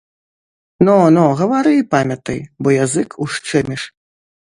Но, но, гавары і памятай, бо язык ушчэміш.